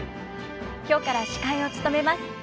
今日から司会を務めます